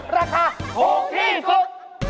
ราคาคุ้มที่สุด